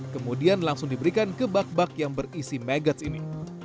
kemudian langsung diberikan ke bak bak yang berisi magats ini